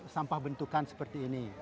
sampah bentukan seperti ini